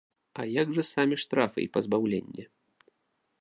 А як жа самі штрафы і пазбаўленне?